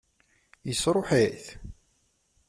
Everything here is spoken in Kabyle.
Yesṛuḥ-it?